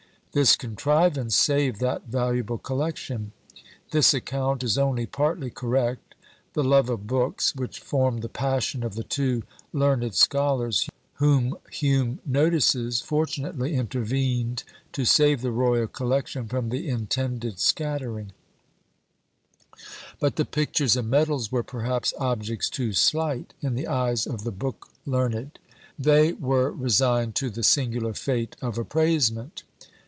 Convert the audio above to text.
This contrivance saved that valuable collection." This account is only partly correct: the love of books, which formed the passion of the two learned scholars whom Hume notices, fortunately intervened to save the royal collection from the intended scattering; but the pictures and medals were, perhaps, objects too slight in the eyes of the book learned; they wore resigned to the singular fate of appraisement.